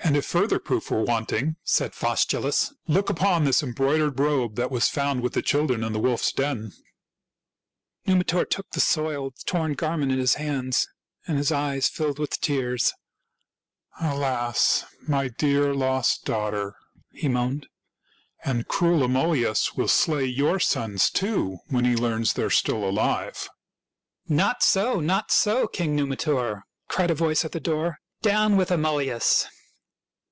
" And if further proof were wanting," said Faus tulus, " look upon this embroidered robe that was found with the children in the wolf's den." Numitor took the soiled, torn garment in his 192 THIRTY MORE FAMOUS STORIES hands, and his eyes filled with tears. " Alas, my dear lost daughter!" he moaned. "And cruel Amulius will slay your sons, too, when he learns they are still alive." '' Not so, not so, King Numitor !" cried a voice at the door. "Down with Amulius!"